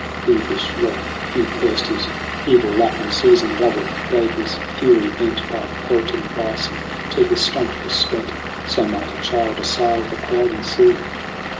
In peevish wrath Hugh cursed his evil luck, And seizing rubble, gave his fury vent By pelting bison till his strength was spent : So might a child assail the crowding sea